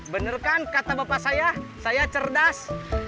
bener kan kata bapak saya saya cerdas